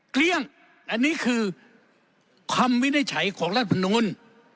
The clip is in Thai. เกลี้ยงอันนี้คือคำวินิจฉัยของรัฐมนูล